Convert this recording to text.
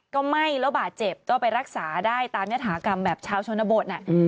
ก็ไหม้แล้วบาดเจ็บก็ไปรักษาได้ตามยฐากรรมแบบชาวชนบท